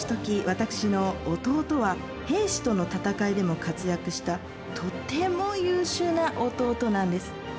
私の弟は平氏との戦いでも活躍したとても優秀な弟なんです。